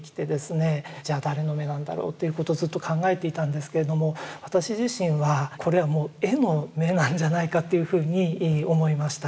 じゃあ誰の眼なんだろうっていうことをずっと考えていたんですけれども私自身はこれはもう絵の眼なんじゃないかっていうふうに思いました。